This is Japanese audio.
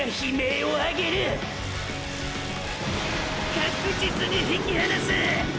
確実に引き離すゥ！！